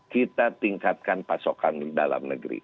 kita tingkatkan pasokan dalam negeri